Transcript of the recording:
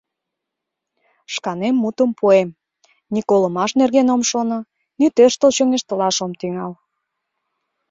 Шканем мутым пуэм: ни колымаш нерген ом шоно, ни тӧрштыл-чоҥештылаш ом тӱҥал».